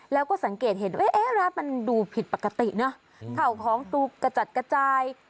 แล้วก็สังเกตเห็นว่าเอ๊ะร้านมันดูผิดปกติเนอะข่าวของดูกระจัดกระจาย